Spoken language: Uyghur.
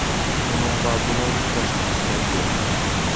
ئۇنىڭغا بۇنىڭدىن باشقا قىسمەت يوق.